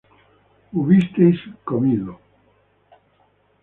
hubisteis comido